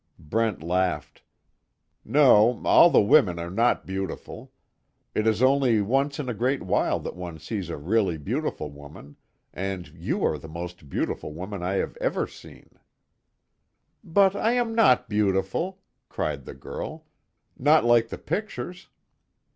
Brent laughed: "No, all the women are not beautiful. It is only once in a great while that one sees a really beautiful woman, and you are the most beautiful woman I have ever seen " "But I am not beautiful!" cried the girl, "Not like the pictures."